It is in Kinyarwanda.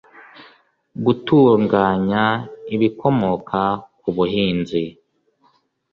gutunganya ibikomoka ku buhinzi